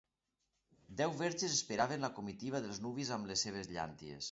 Deu verges esperaven la comitiva dels nuvis amb les seves llànties.